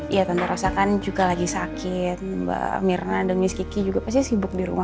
iya tante rosa kan juga lagi sakit mbak mirna dan miss kiki juga pasti sibuk di rumah